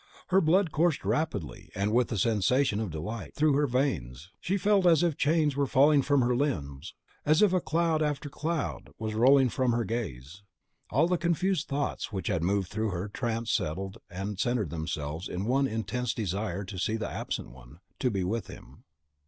Her blood coursed rapidly, and with a sensation of delight, through her veins, she felt as if chains were falling from her limbs, as if cloud after cloud was rolling from her gaze. All the confused thoughts which had moved through her trance settled and centred themselves in one intense desire to see the Absent One, to be with him.